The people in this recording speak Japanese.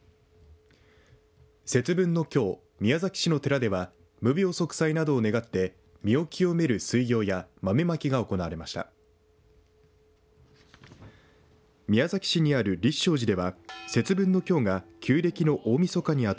節分のきょう、宮崎市の寺では無病息災などを願って身を清める水行や豆まきが行われました。